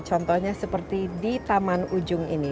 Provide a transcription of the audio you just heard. contohnya seperti di taman ujung ini